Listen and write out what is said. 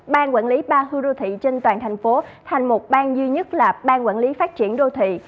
ban quản lý ba khu đô thị trên toàn thành phố thành một bang duy nhất là ban quản lý phát triển đô thị